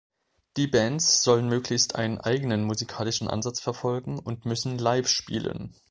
Die Bands sollen möglichst einen eigenen musikalischen Ansatz verfolgen und müssen live spielen.